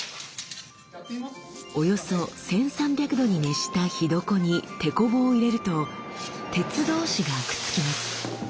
およそ１，３００度に熱した火床にテコ棒を入れると鉄同士がくっつきます。